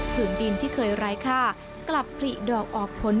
ถึงดินที่เคยร้ายฆ่ากลับผลิดอกออกผล